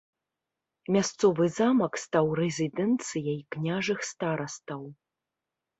Мясцовы замак стаў рэзідэнцыяй княжых старастаў.